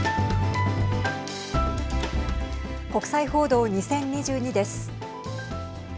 国際報道２０２２です。